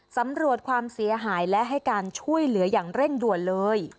สำรวจความเสียหายและให้การช่วยเหลืออย่างเร่งด่วนเลย